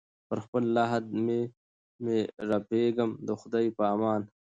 پر خپل لحد به مي رپېږمه د خدای په امان